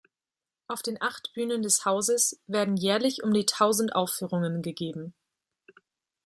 Auf den acht Bühnen des Hauses werden jährlich um die tausend Aufführungen gegeben.